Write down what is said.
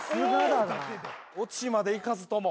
オチまでいかずとも。